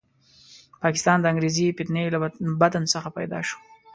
پاکستان د انګریزي فتنې له بطن څخه پیدا شو.